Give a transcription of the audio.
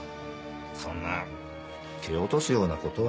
そんな蹴落とすようなことはさ。